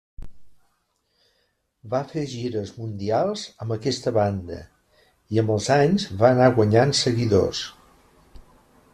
Va fer gires mundials amb aquesta banda i amb els anys, va anar guanyant seguidors.